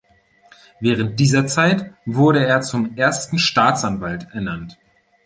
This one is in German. Während dieser Zeit wurde er zum Ersten Staatsanwalt ernannt.